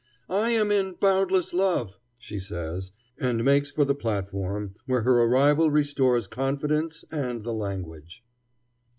"I am in 'Boundless Love,'" she says, and makes for the platform, where her arrival restores confidence and the language.